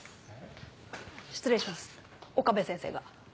失礼します岡部先生が。